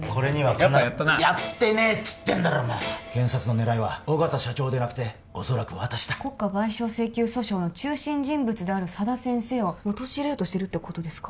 やっぱやったなやってねえっつってんだろお前検察の狙いは緒方社長でなくて恐らく私だ国家賠償請求訴訟の中心人物である佐田先生を陥れようとしてるってことですか？